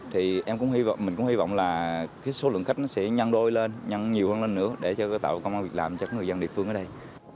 thì mình cũng hy vọng là số lượng khách sẽ nhân đôi lên nhân nhiều hơn lên nữa để tạo công an việc làm cho người dân địa phương ở đây